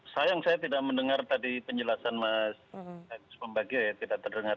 sayang saya tidak mendengar tadi penjelasan mas agus pembagio ya tidak terdengar